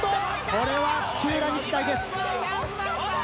これは土浦日大です。